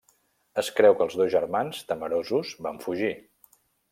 Es creu que els dos germans, temerosos, van fugir.